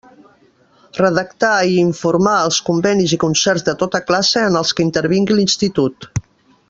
Redactar i informar els convenis i concerts de tota classe en els que intervingui l'Institut.